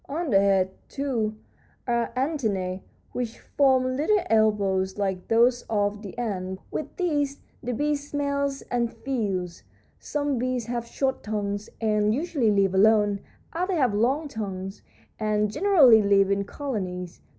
"On the head, too, are antennæ, which form little elbows, like those of the ant. With these the bee smells and feels. Some bees have short tongues, and usually live alone; others have long tongues, and generally live in colonies.